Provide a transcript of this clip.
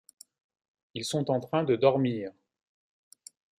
Ils sont en train de dormir.